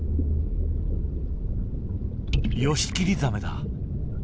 ヨシキリザメだ。